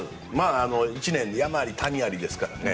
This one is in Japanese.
１年は山あり谷ありですからね。